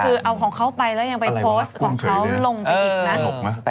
คือเอาของเขาไปแล้วยังไปโพสต์ของเขาลงไปอีกนะ